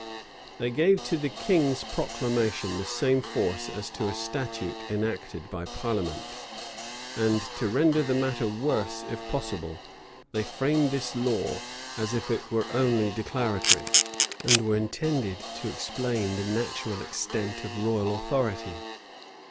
They gave to the king's proclamation the same force as to a statute enacted by parliament; and to render the matter worse, if possible, they framed this law, as if it were only declaratory, and were intended to explain the natural extent of royal authority.